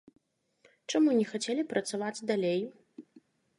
Чаму не хацелі працаваць далей?